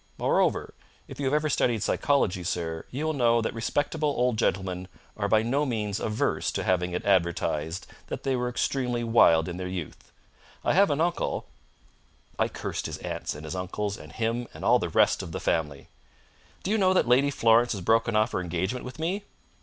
Moreover, if you have ever studied psychology, sir, you will know that respectable old gentlemen are by no means averse to having it advertised that they were extremely wild in their youth. I have an uncle " I cursed his aunts and his uncles and him and all the rest of the family. "Do you know that Lady Florence has broken off her engagement with me?"